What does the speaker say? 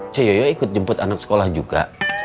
ceyoyo ikut jemput anak sekolah juga